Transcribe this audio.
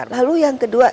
lalu yang kedua